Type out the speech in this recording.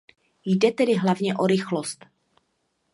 Jde tedy hlavně o rychlost.